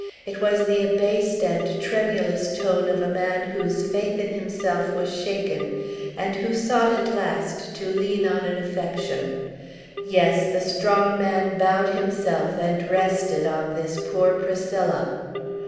It was the abased and tremulous tone of a man whose faith in himself was shaken, and who sought, at last, to lean on an affection. Yes; the strong man bowed himself and rested on this poor Priscilla!